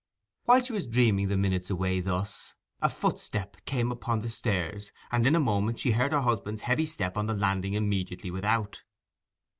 While she was dreaming the minutes away thus, a footstep came upon the stairs, and in a moment she heard her husband's heavy step on the landing immediately without.